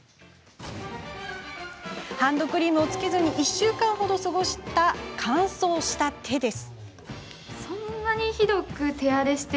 ハンドクリームをつけずに１週間ほど過ごした乾燥した手です。